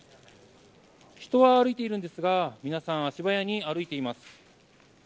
人は歩いているんですが皆さん、足早に歩いています。